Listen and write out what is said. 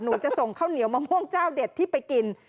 จะส่งข้าวเหนียวมะม่วงเจ้าเด็ดที่ไปกิน